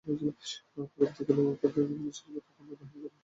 পরবর্তীকালে উপেন্দ্রনাথ বিশ্বাস বৌদ্ধ ধর্ম গ্রহণ করেন।